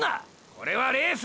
これはレース！！